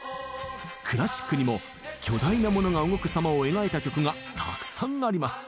クラシックにも巨大なモノが動くさまを描いた曲がたくさんあります。